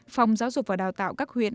phòng giáo dục và đào tạo các huyện